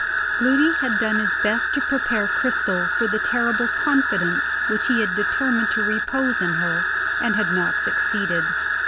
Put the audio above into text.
Gloody had done his best to prepare Cristel for the terrible confidence which he had determined to repose in her, and had not succeeded.